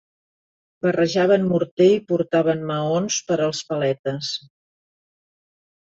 Barrejaven morter i portaven maons per als paletes.